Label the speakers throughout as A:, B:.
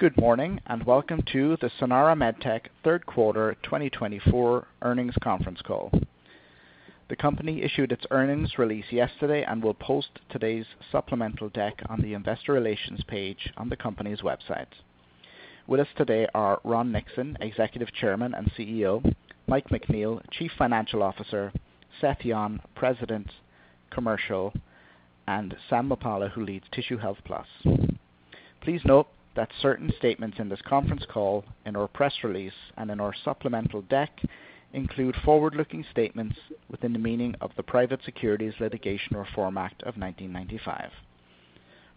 A: Good morning and welcome to the Sanara MedTech Q3 2024 Earnings Conference Call. The company issued its earnings release yesterday and will post today's supplemental deck on the Investor Relations page on the company's website. With us today are Ron Nixon, Executive Chairman and CEO, Mike McNeil, Chief Financial Officer, Seth Yon, President, Commercial, and Sam Muppalla, who leads Tissue Health Plus. Please note that certain statements in this conference call, in our press release, and in our supplemental deck include forward-looking statements within the meaning of the Private Securities Litigation Reform Act of 1995.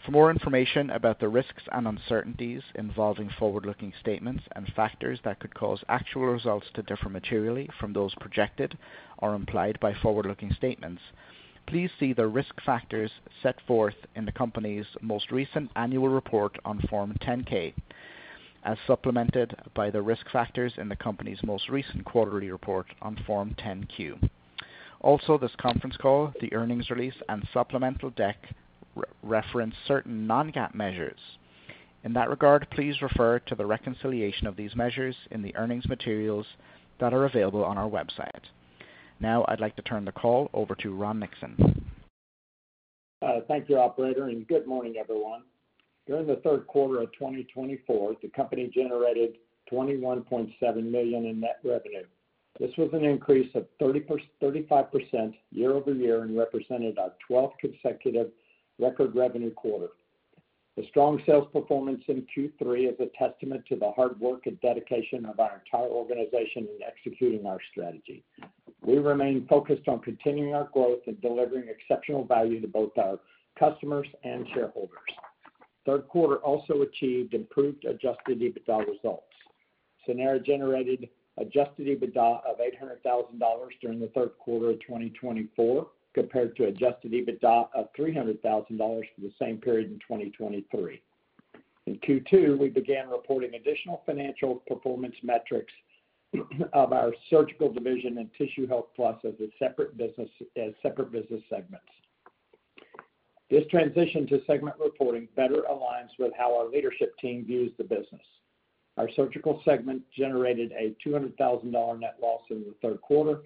A: For more information about the risks and uncertainties involving forward-looking statements and factors that could cause actual results to differ materially from those projected or implied by forward-looking statements, please see the risk factors set forth in the company's most recent annual report on Form 10-K, as supplemented by the risk factors in the company's most recent quarterly report on Form 10-Q. Also, this conference call, the earnings release, and supplemental deck reference certain non-GAAP measures. In that regard, please refer to the reconciliation of these measures in the earnings materials that are available on our website. Now, I'd like to turn the call over to Ron Nixon.
B: Thank you, Operator, and good morning, everyone. During the Q3 of 2024, the company generated $21.7 million in net revenue. This was an increase of 35% year-over-year and represented our 12th consecutive record revenue quarter. The strong sales performance in Q3 is a testament to the hard work and dedication of our entire organization in executing our strategy. We remain focused on continuing our growth and delivering exceptional value to both our customers and shareholders. Q3 also achieved improved Adjusted EBITDA results. Sanara generated Adjusted EBITDA of $800,000 during the Q3 of 2024, compared to Adjusted EBITDA of $300,000 for the same period in 2023. In Q2, we began reporting additional financial performance metrics of our surgical division and Tissue Health Plus as separate business segments. This transition to segment reporting better aligns with how our leadership team views the business. Our surgical segment generated a $200,000 net loss in the Q3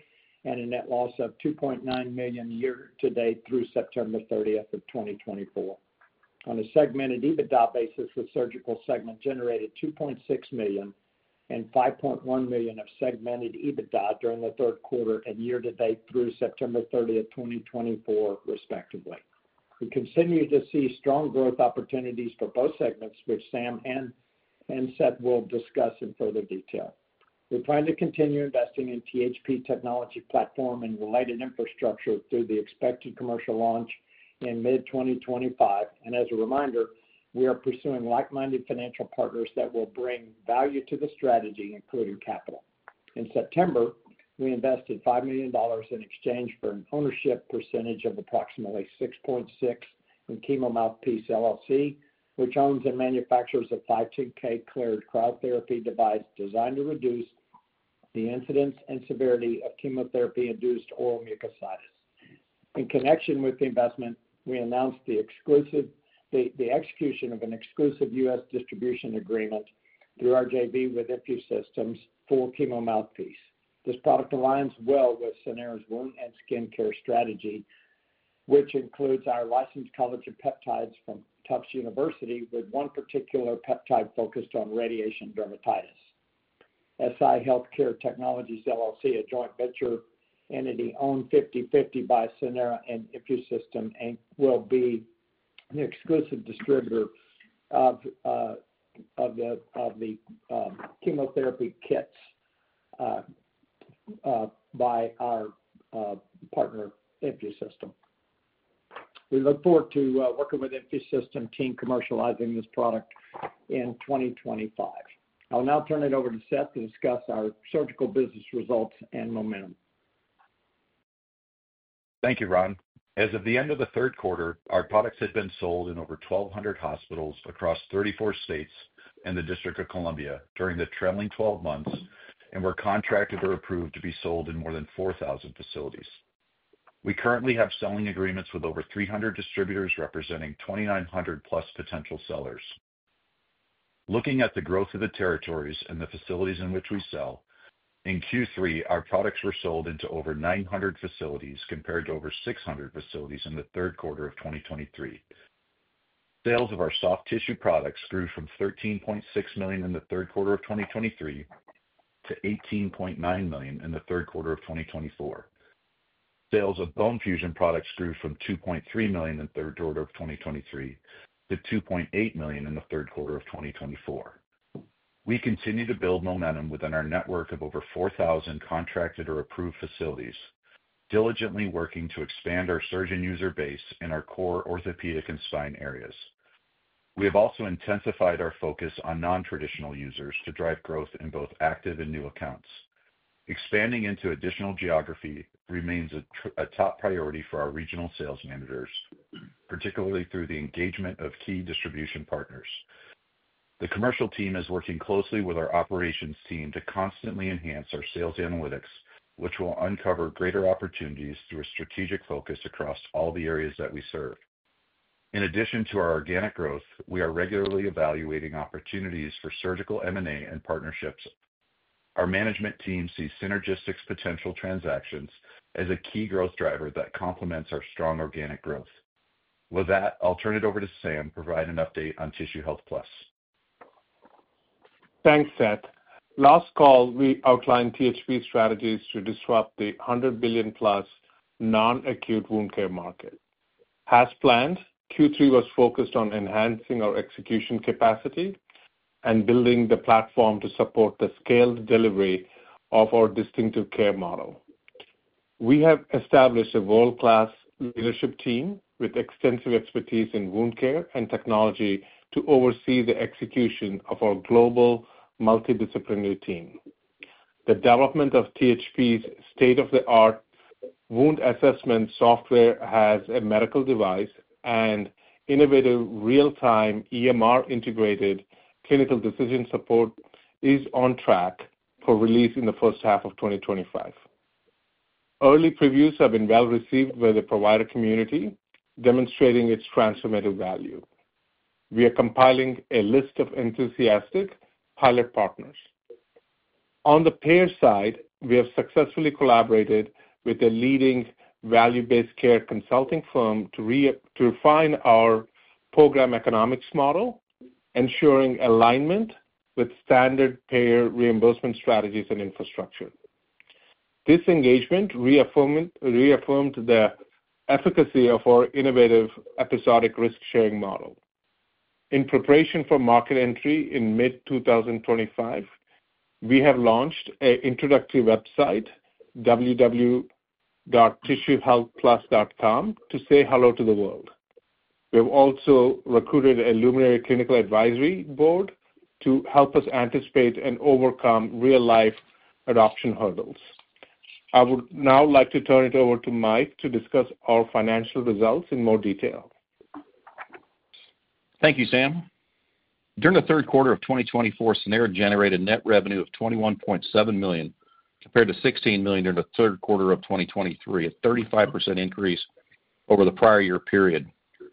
B: and a net loss of $2.9 million year-to-date through September 30, 2024. On a segmented EBITDA basis, the surgical segment generated $2.6 million and $5.1 million of segmented EBITDA during the Q3 and year-to-date through September 30, 2024, respectively. We continue to see strong growth opportunities for both segments, which Sam and Seth will discuss in further detail. We plan to continue investing in THP technology platform and related infrastructure through the expected commercial launch in mid-2025, and as a reminder, we are pursuing like-minded financial partners that will bring value to the strategy, including capital. In September, we invested $5 million in exchange for an ownership percentage of approximately 6.6% in Chemo Mouthpiece LLC, which owns and manufactures a designed to reduce the incidence and severity of chemotherapy-induced oral mucositis. In connection with the investment, we announced the execution of an exclusive U.S. distribution agreement through RJV with InfuSystem for Chemo Mouthpiece. This product aligns well with Sanara's wound and skin care strategy, which includes our licensed collagen peptides from Tufts University, with one particular peptide focused on radiation dermatitis. SI Healthcare Technologies LLC, a joint venture entity, owned 50/50 by Sanara and InfuSystem, will be the exclusive distributor of the chemotherapy kits by our partner, InfuSystem. We look forward to working with InfuSystem team commercializing this product in 2025. I'll now turn it over to Seth to discuss our surgical business results and momentum.
C: Thank you, Ron. As of the end of the Q3, our products had been sold in over 1,200 hospitals across 34 states and the District of Columbia during the trailing 12 months, and were contracted or approved to be sold in more than 4,000 facilities. We currently have selling agreements with over 300 distributors representing 2,900-plus potential sellers. Looking at the growth of the territories and the facilities in which we sell, in Q3, our products were sold into over 900 facilities compared to over 600 facilities in the Q3 of 2023. Sales of our soft tissue products grew from $13.6 million in the Q3 of 2023 to $18.9 million in the Q3 of 2024. Sales of bone fusion products grew from $2.3 million in the Q3 of 2023 to $2.8 million in the Q3 of 2024. We continue to build momentum within our network of over 4,000 contracted or approved facilities, diligently working to expand our surgeon user base in our core orthopedic and spine areas. We have also intensified our focus on non-traditional users to drive growth in both active and new accounts. Expanding into additional geography remains a top priority for our regional sales managers, particularly through the engagement of key distribution partners. The commercial team is working closely with our operations team to constantly enhance our sales analytics, which will uncover greater opportunities through a strategic focus across all the areas that we serve. In addition to our organic growth, we are regularly evaluating opportunities for surgical M&A and partnerships. Our management team sees synergistic potential transactions as a key growth driver that complements our strong organic growth. With that, I'll turn it over to Sam to provide an update on Tissue Health Plus.
D: Thanks, Seth. Last call, we outlined THP strategies to disrupt the $100 billion-plus non-acute wound care market. As planned, Q3 was focused on enhancing our execution capacity and building the platform to support the scaled delivery of our distinctive care model. We have established a world-class leadership team with extensive expertise in wound care and technology to oversee the execution of our global multidisciplinary team. The development of THP's state-of-the-art wound assessment software as a medical device and innovative real-time EMR-integrated clinical decision support is on track for release in the first half of 2025. Early previews have been well-received by the provider community, demonstrating its transformative value. We are compiling a list of enthusiastic pilot partners. On the payer side, we have successfully collaborated with a leading value-based care consulting firm to refine our program economics model, ensuring alignment with standard payer reimbursement strategies and infrastructure. This engagement reaffirmed the efficacy of our innovative episodic risk-sharing model. In preparation for market entry in mid-2025, we have launched an introductory website, www.tissuehealthplus.com, to say hello to the world. We have also recruited a luminary clinical advisory board to help us anticipate and overcome real-life adoption hurdles. I would now like to turn it over to Mike to discuss our financial results in more detail.
E: Thank you, Sam. During the Q3 of 2024, Sanara generated net revenue of $21.7 million compared to $16 million during the Q3 of 2023, a 35% increase over the prior year period.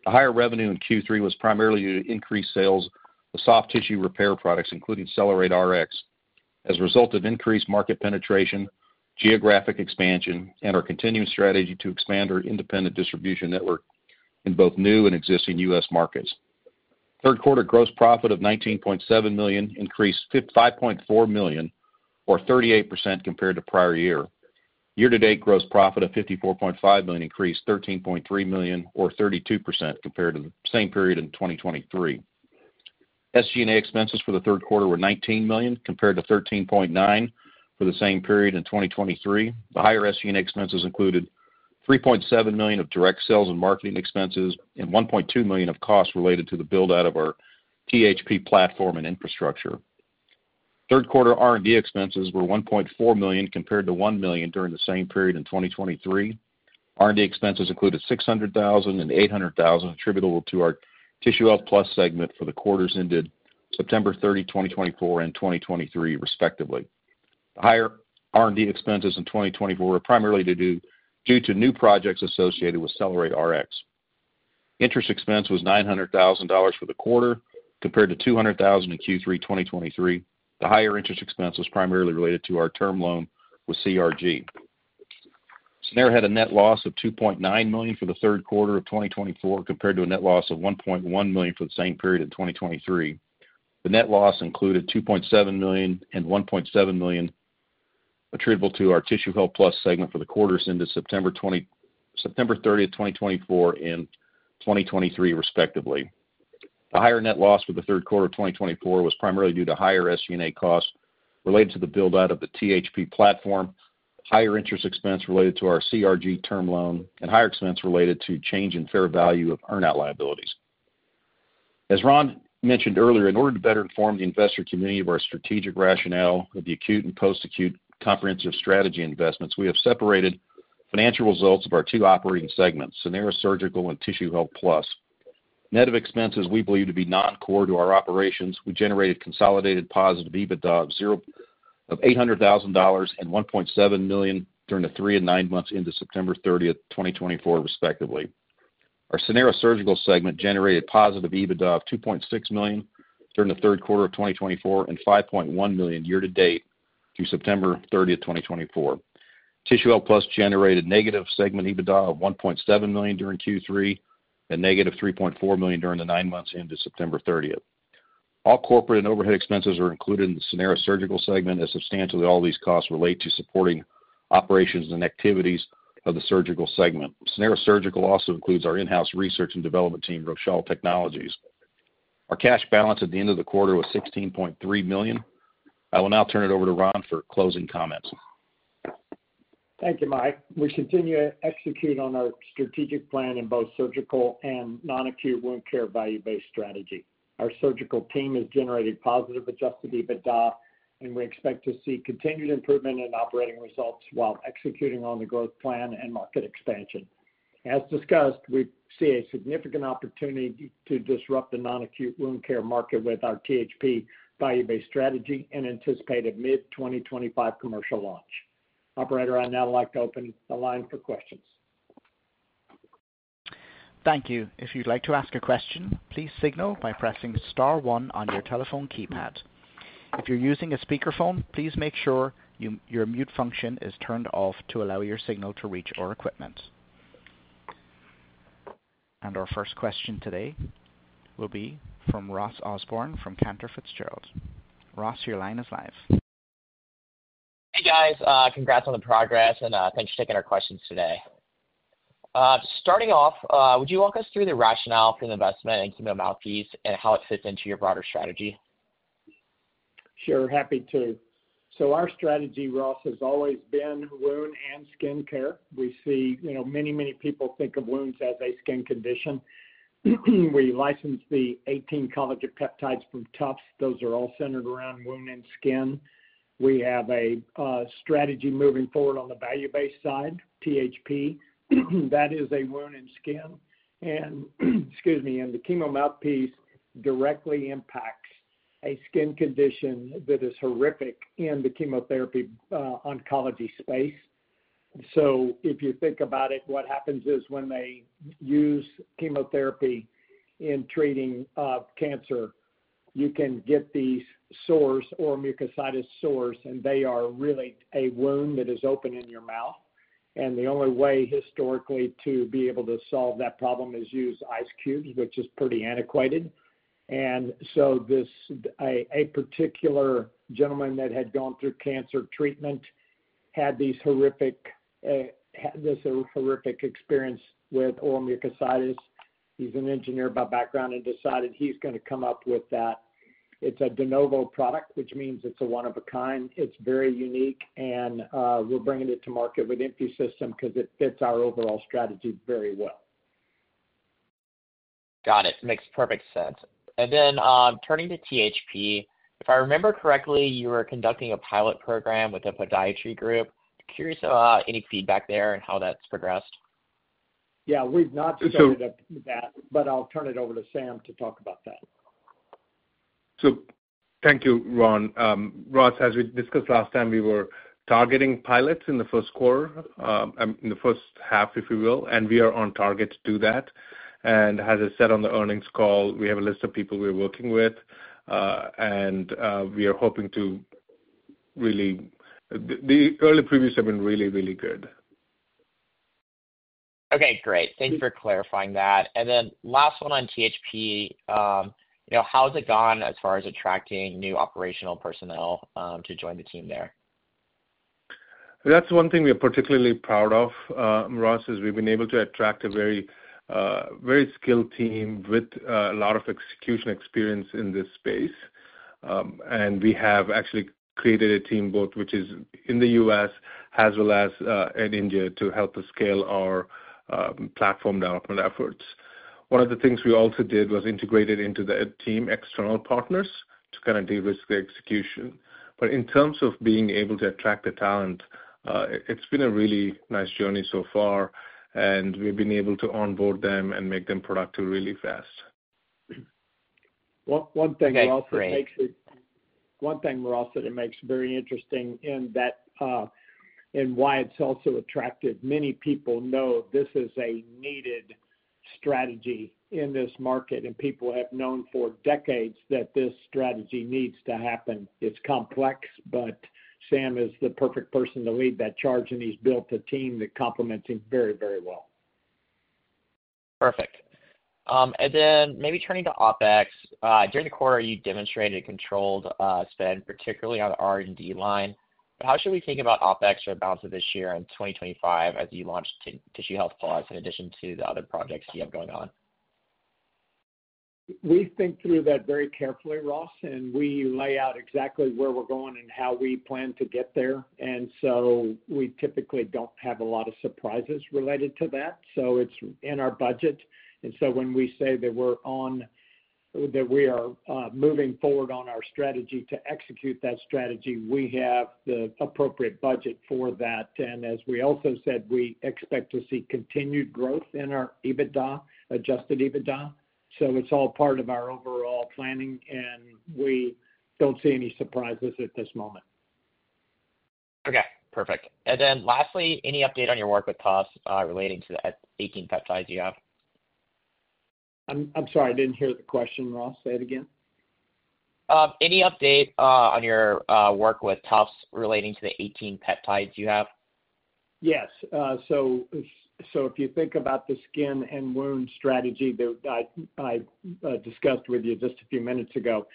E: The higher revenue in Q3 was primarily due to increased sales of soft tissue repair products, including CellerateRX, as a result of increased market penetration, geographic expansion, and our continuing strategy to expand our independent distribution network in both new and existing U.S. markets. Q3 gross profit of $19.7 million increased $5.4 million, or 38% compared to prior year. Year-to-date gross profit of $54.5 million increased $13.3 million, or 32% compared to the same period in 2023. SG&A expenses for the Q3 were $19 million compared to $13.9 million for the same period in 2023. The higher SG&A expenses included $3.7 million of direct sales and marketing expenses and $1.2 million of costs related to the build-out of our THP platform and infrastructure. Q3 R&D expenses were $1.4 million compared to $1 million during the same period in 2023. R&D expenses included $600,000 and $800,000 attributable to our Tissue Health Plus segment for the quarters ended September 30, 2024, and 2023, respectively. The higher R&D expenses in 2024 were primarily due to new projects associated with CellerateRX. Interest expense was $900,000 for the quarter compared to $200,000 in Q3 2023. The higher interest expense was primarily related to our term loan with CRG. Sanara had a net loss of $2.9 million for the Q3 of 2024 compared to a net loss of $1.1 million for the same period in 2023. The net loss included $2.7 million and $1.7 million attributable to our Tissue Health Plus segment for the quarters ended September 30, 2024, and 2023, respectively. The higher net loss for the Q3 of 2024 was primarily due to higher SG&A costs related to the build-out of the THP platform, higher interest expense related to our CRG term loan, and higher expense related to change in fair value of earn-out liabilities. As Ron mentioned earlier, in order to better inform the investor community of our strategic rationale of the acute and post-acute comprehensive strategy investments, we have separated financial results of our two operating segments, Sanara Surgical and Tissue Health Plus. Net of expenses, we believe to be non-core to our operations, we generated consolidated positive EBITDA of $800,000 and $1.7 million during the three and nine months ended September 30, 2024, respectively. Our Sanara Surgical segment generated positive EBITDA of $2.6 million during the Q3 of 2024 and $5.1 million year-to-date through September 30, 2024. Tissue Health Plus generated negative segment EBITDA of $1.7 million during Q3 and negative $3.4 million during the nine months ended September 30. All corporate and overhead expenses are included in the Sanara Surgical segment, as substantially all these costs relate to supporting operations and activities of the surgical segment. Sanara Surgical also includes our in-house research and development team, Rochelle Technologies. Our cash balance at the end of the quarter was $16.3 million. I will now turn it over to Ron for closing comments.
B: Thank you, Mike. We continue to execute on our strategic plan in both surgical and non-acute wound care value-based strategy. Our surgical team has generated positive Adjusted EBITDA, and we expect to see continued improvement in operating results while executing on the growth plan and market expansion. As discussed, we see a significant opportunity to disrupt the non-acute wound care market with our THP value-based strategy and anticipate a mid-2025 commercial launch. Operator, I now like to open the line for questions.
A: Thank you. If you'd like to ask a question, please signal by pressing star one on your telephone keypad. If you're using a speakerphone, please make sure your mute function is turned off to allow your signal to reach our equipment. And our first question today will be from Ross Osborne from Cantor Fitzgerald. Ross, your line is live.
F: Hey, guys. Congrats on the progress, and thanks for taking our questions today. Starting off, would you walk us through the rationale for the investment in Chemo Mouthpiece and how it fits into your broader strategy?
B: Sure. Happy to. Our strategy, Ross, has always been wound and skin care. We see many, many people think of wounds as a skin condition. We license the 18 collagen peptides from Tufts. Those are all centered around wound and skin. We have a strategy moving forward on the value-based side, THP. That is a wound and skin. And excuse me, and the Chemo Mouthpiece directly impacts a skin condition that is horrific in the chemotherapy oncology space. So if you think about it, what happens is when they use chemotherapy in treating cancer, you can get these sores or mucositis sores, and they are really a wound that is open in your mouth. And the only way historically to be able to solve that problem is use ice cubes, which is pretty antiquated. And so a particular gentleman that had gone through cancer treatment had this horrific experience with oral mucositis. He's an engineer by background and decided he's going to come up with that. It's a de novo product, which means it's a one-of-a-kind. It's very unique, and we're bringing it to market with InfuSystem because it fits our overall strategy very well.
F: Got it. Makes perfect sense. And then turning to THP, if I remember correctly, you were conducting a pilot program with a podiatry group. Curious about any feedback there and how that's progressed?
B: Yeah. We've not started that, but I'll turn it over to Sam to talk about that.
D: Thank you, Ron. Ross, as we discussed last time, we were targeting pilots in the Q1, in the first half, if you will, and we are on target to do that. As I said on the earnings call, we have a list of people we are working with, and we are hoping to really the early previews have been really, really good.
F: Okay. Great. Thank you for clarifying that. And then last one on THP, how has it gone as far as attracting new operational personnel to join the team there?
D: That's one thing we are particularly proud of, Ross, is we've been able to attract a very skilled team with a lot of execution experience in this space. And we have actually created a team both which is in the U.S. as well as in India to help us scale our platform development efforts. One of the things we also did was integrate it into the team external partners to kind of de-risk the execution. But in terms of being able to attract the talent, it's been a really nice journey so far, and we've been able to onboard them and make them productive really fast.
B: One thing, Ross, that makes it very interesting in that and why it's also attractive. Many people know this is a needed strategy in this market, and people have known for decades that this strategy needs to happen. It's complex, but Sam is the perfect person to lead that charge, and he's built a team that complements him very, very well.
F: Perfect. And then maybe turning to OpEx. During the quarter, you demonstrated controlled spend, particularly on the R&D line. How should we think about OpEx for the balance of this year and 2025 as you launch Tissue Health Plus in addition to the other projects you have going on?
B: We think through that very carefully, Ross, and we lay out exactly where we're going and how we plan to get there. And so we typically don't have a lot of surprises related to that. So it's in our budget. And so when we say that we're on track, we are moving forward on our strategy to execute that strategy, we have the appropriate budget for that. And as we also said, we expect to see continued growth in our EBITDA, adjusted EBITDA. So it's all part of our overall planning, and we don't see any surprises at this moment.
F: Okay. Perfect. And then lastly, any update on your work with Tufts relating to the 18 peptides you have?
B: I'm sorry. I didn't hear the question. Ross, say it again.
F: Any update on your work with Tufts relating to the 18 peptides you have?
B: Yes. So if you think about the skin and wound strategy that I discussed with you just a few minutes ago,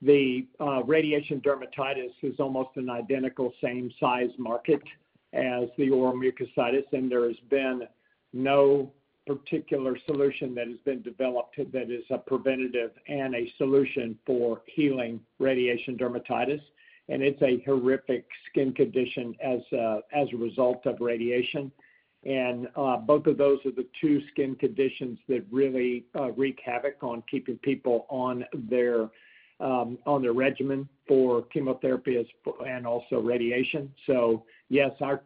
B: the radiation dermatitis is almost an identical same-size market as the oral mucositis, and there has been no particular solution that has been developed that is a preventative and a solution for healing radiation dermatitis. And it's a horrific skin condition as a result of radiation. And both of those are the two skin conditions that really wreak havoc on keeping people on their regimen for chemotherapy and also radiation. So yes, our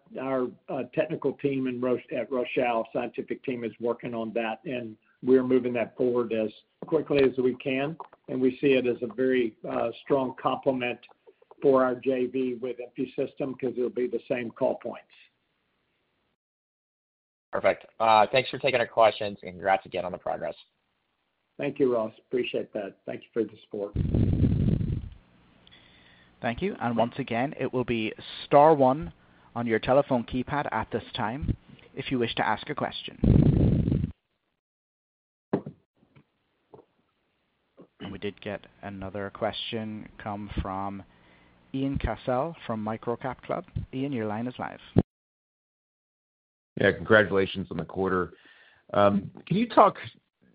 B: technical team at Rochelle, scientific team, is working on that, and we're moving that forward as quickly as we can. And we see it as a very strong complement for our JV with InfuSystem because it'll be the same call points.
F: Perfect. Thanks for taking our questions. And congrats again on the progress.
B: Thank you, Ross. Appreciate that. Thank you for the support.
A: Thank you. And once again, it will be star one on your telephone keypad at this time if you wish to ask a question. And we did get another question come from Ian Cassel from MicroCapClub. Ian, your line is live.
G: Yeah. Congratulations on the quarter. Can you talk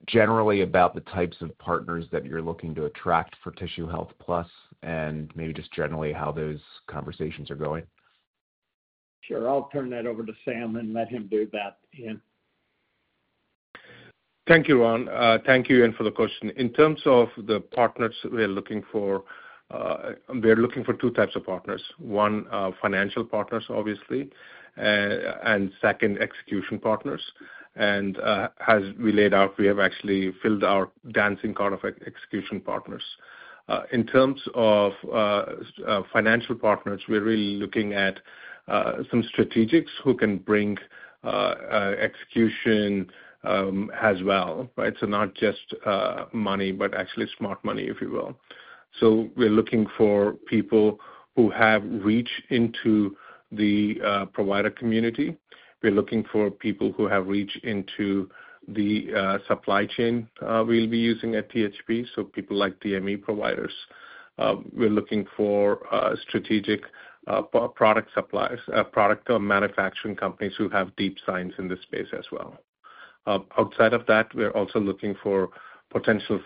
G: generally about the types of partners that you're looking to attract for Tissue Health Plus and maybe just generally how those conversations are going?
B: Sure. I'll turn that over to Sam and let him do that.
D: Thank you, Ron. Thank you, Ian, for the question. In terms of the partners we are looking for, we are looking for two types of partners. One, financial partners, obviously, and second, execution partners. And as we laid out, we have actually filled our dance card of execution partners. In terms of financial partners, we're really looking at some strategics who can bring execution as well, right? So not just money, but actually smart money, if you will. So we're looking for people who have reached into the provider community. We're looking for people who have reached into the supply chain we'll be using at THP, so people like DME providers. We're looking for strategic product suppliers, product manufacturing companies who have deep science in this space as well. Outside of that, we're also looking for potential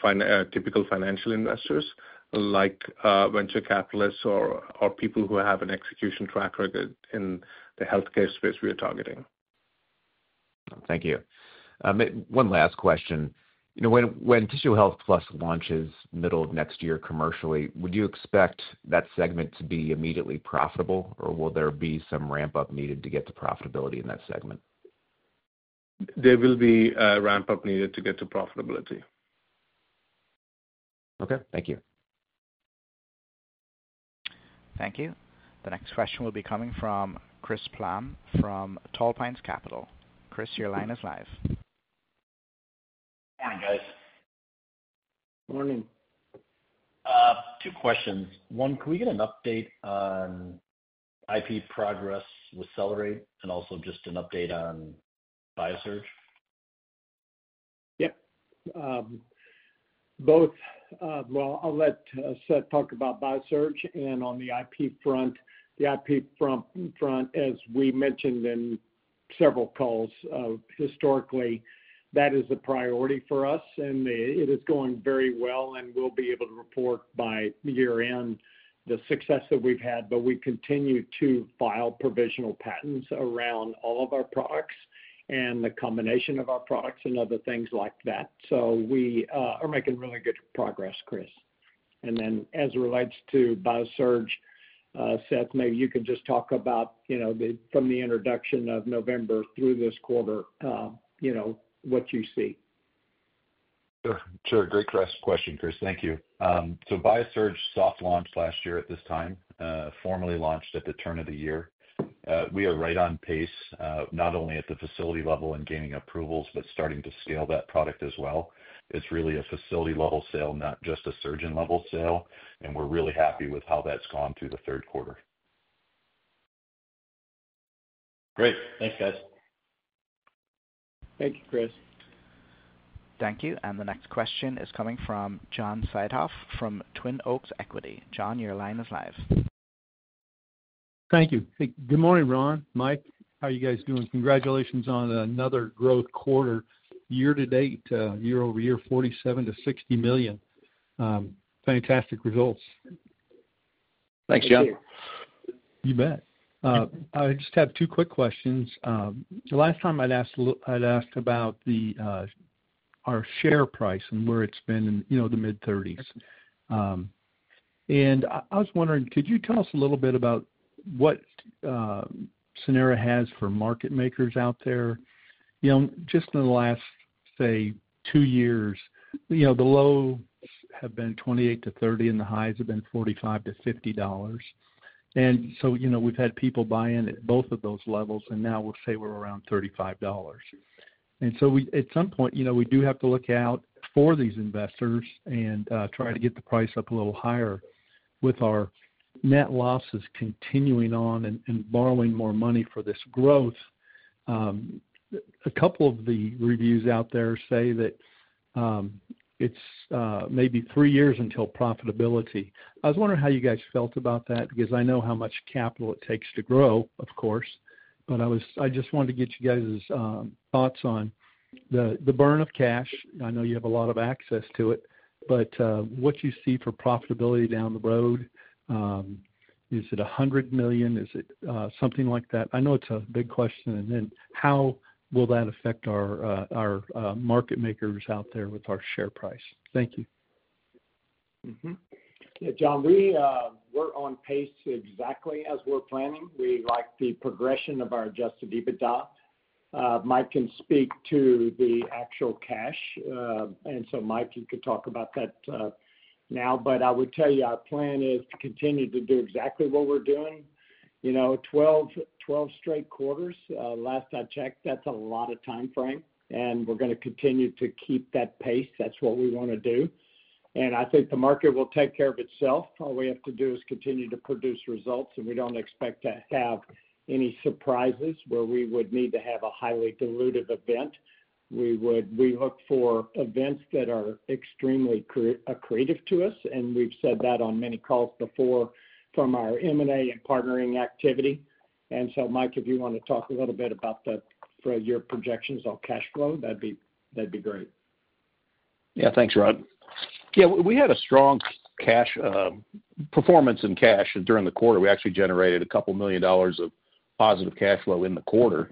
D: typical financial investors like venture capitalists or people who have an execution track record in the healthcare space we are targeting.
G: Thank you. One last question. When Tissue Health Plus launches middle of next year commercially, would you expect that segment to be immediately profitable, or will there be some ramp-up needed to get to profitability in that segment?
D: There will be a ramp-up needed to get to profitability.
G: Okay. Thank you.
A: Thank you. The next question will be coming from Chris Plahm from Tall Pines Capital. Chris, your line is live.
H: Good morning, guys.
D: Morning.
H: Two questions. One, can we get an update on IP progress with Cellerate and also just an update on BIASURGE?
B: Yep. Both. Well, I'll let Seth talk about BIASURGE and on the IP front. The IP front, as we mentioned in several calls, historically, that is a priority for us, and it is going very well, and we'll be able to report by year-end the success that we've had. But we continue to file provisional patents around all of our products and the combination of our products and other things like that. So we are making really good progress, Chris. And then as it relates to BIASURGE, Seth, maybe you can just talk about from the introduction of November through this quarter, what you see.
C: Sure. Great question, Chris. Thank you. So BIASURGE soft launched last year at this time, formally launched at the turn of the year. We are right on pace, not only at the facility level and gaining approvals, but starting to scale that product as well. It's really a facility-level sale, not just a surgeon-level sale, and we're really happy with how that's gone through the third quarter.
H: Great. Thanks, guys.
B: Thank you, Chris.
A: Thank you, and the next question is coming from John Siedhoff from Twin Oaks Equity. John, your line is live.
I: Thank you. Good morning, Ron. Mike, how are you guys doing? Congratulations on another growth quarter. Year-to-date, year-over-year, $47 million-$60 million. Fantastic results.
B: Thanks, John.
C: Thank you.
I: You bet. I just have two quick questions. The last time I'd asked about our share price and where it's been in the mid-30s. I was wondering, could you tell us a little bit about what Sanara has for market makers out there? Just in the last, say, two years, the lows have been $28-$30, and the highs have been $45-$50. So we've had people buy in at both of those levels, and now we'll say we're around $35. So at some point, we do have to look out for these investors and try to get the price up a little higher with our net losses continuing on and borrowing more money for this growth. A couple of the reviews out there say that it's maybe three years until profitability. I was wondering how you guys felt about that because I know how much capital it takes to grow, of course, but I just wanted to get you guys' thoughts on the burn of cash. I know you have a lot of access to it, but what you see for profitability down the road, is it $100 million? Is it something like that? I know it's a big question. And then how will that affect our market makers out there with our share price? Thank you.
B: Yeah. John, we're on pace exactly as we're planning. We like the progression of our adjusted EBITDA. Mike can speak to the actual cash. And so Mike, you could talk about that now. But I would tell you our plan is to continue to do exactly what we're doing, 12 straight quarters. Last I checked, that's a lot of time frame, and we're going to continue to keep that pace. That's what we want to do. And I think the market will take care of itself. All we have to do is continue to produce results, and we don't expect to have any surprises where we would need to have a highly dilutive event. We look for events that are extremely creative to us, and we've said that on many calls before from our M&A and partnering activity. And so Mike, if you want to talk a little bit about your projections on cash flow, that'd be great.
E: Yeah. Thanks, Ron. Yeah. We had a strong performance in cash during the quarter. We actually generated $2 million of positive cash flow in the quarter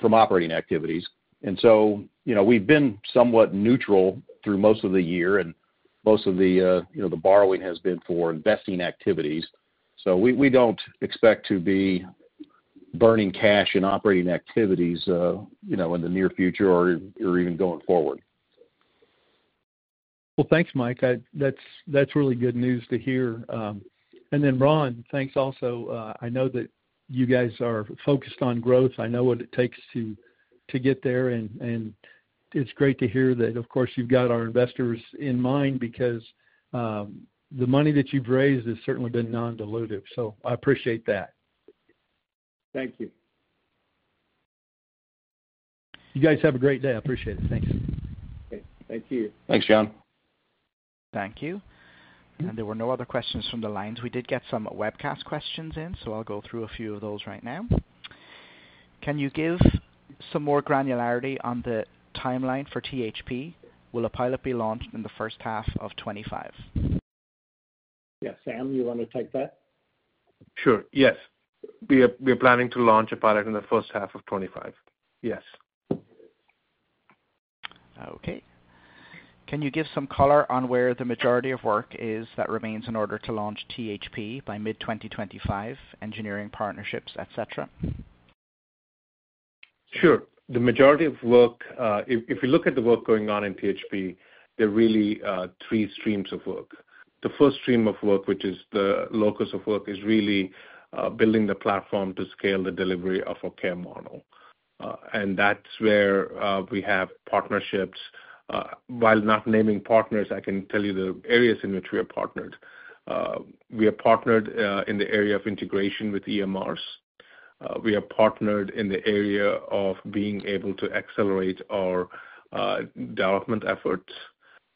E: from operating activities. And so we've been somewhat neutral through most of the year, and most of the borrowing has been for investing activities. So we don't expect to be burning cash in operating activities in the near future or even going forward.
I: Thanks, Mike. That's really good news to hear. Ron, thanks also. I know that you guys are focused on growth. I know what it takes to get there, and it's great to hear that, of course, you've got our investors in mind because the money that you've raised has certainly been non-dilutive. I appreciate that.
B: Thank you.
I: You guys have a great day. I appreciate it. Thanks.
D: Okay. Thank you.
C: Thanks, John.
A: Thank you. And there were no other questions from the lines. We did get some webcast questions in, so I'll go through a few of those right now. Can you give some more granularity on the timeline for THP? Will a pilot be launched in the first half of 2025?
B: Yeah. Sam, you want to take that?
D: Sure. Yes. We are planning to launch a pilot in the first half of 2025. Yes.
A: Okay. Can you give some color on where the majority of work is that remains in order to launch THP by mid-2025, engineering partnerships, etc.?
D: Sure. The majority of work, if you look at the work going on in THP, there are really three streams of work. The first stream of work, which is the locus of work, is really building the platform to scale the delivery of our care model. And that's where we have partnerships. While not naming partners, I can tell you the areas in which we are partnered. We are partnered in the area of integration with EMRs. We are partnered in the area of being able to accelerate our development efforts.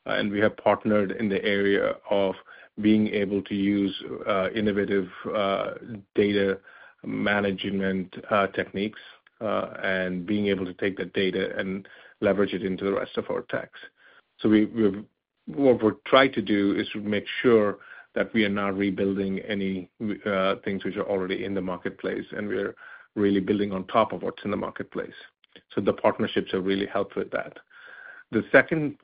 D: And we have partnered in the area of being able to use innovative data management techniques and being able to take that data and leverage it into the rest of our tech stack. So what we're trying to do is make sure that we are not rebuilding any things which are already in the marketplace, and we're really building on top of what's in the marketplace. So the partnerships have really helped with that. The second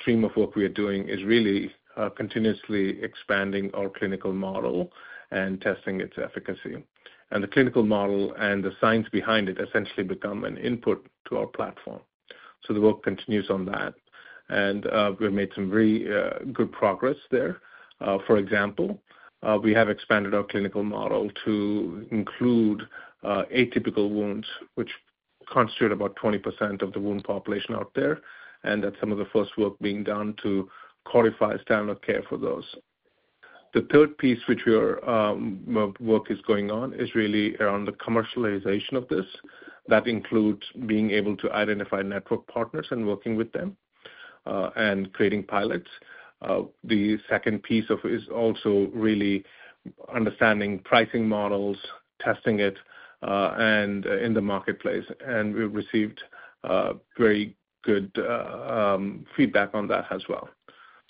D: stream of work we are doing is really continuously expanding our clinical model and testing its efficacy. And the clinical model and the science behind it essentially become an input to our platform. So the work continues on that, and we've made some very good progress there. For example, we have expanded our clinical model to include atypical wounds, which constitute about 20% of the wound population out there, and that's some of the first work being done to codify standard care for those. The third piece which our work is going on is really around the commercialization of this. That includes being able to identify network partners and working with them and creating pilots. The second piece is also really understanding pricing models, testing it, and in the marketplace. And we've received very good feedback on that as well.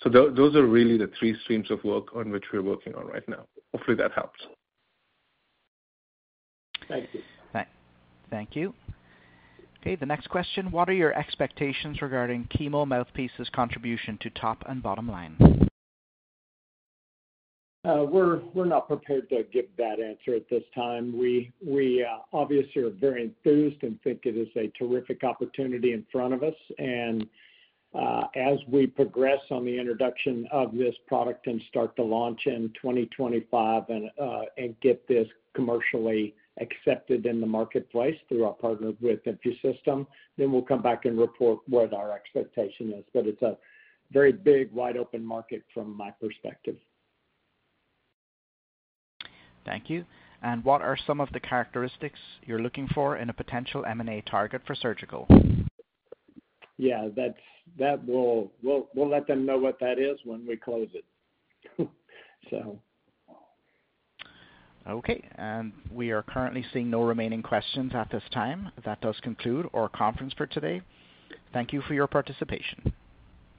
D: So those are really the three streams of work on which we're working on right now. Hopefully, that helps.
B: Thank you.
A: Thank you. Okay. The next question. What are your expectations regarding Chemo Mouthpieces' contribution to top and bottom line?
B: We're not prepared to give that answer at this time. We obviously are very enthused and think it is a terrific opportunity in front of us, and as we progress on the introduction of this product and start to launch in 2025 and get this commercially accepted in the marketplace through our partner with InfuSystem, then we'll come back and report what our expectation is, but it's a very big, wide-open market from my perspective.
A: Thank you, and what are some of the characteristics you're looking for in a potential M&A target for Surgical?
B: Yeah. We'll let them know what that is when we close it, so.
A: Okay. And we are currently seeing no remaining questions at this time. That does conclude our conference for today. Thank you for your participation.